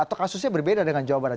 atau kasusnya berbeda dengan jawa barat